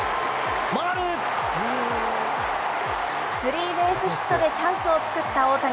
スリーベースヒットでチャンスを作った大谷。